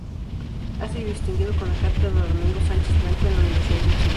Ha sido distinguido con la Cátedra Domingo Sánchez Blanco en la Universidad de Chile.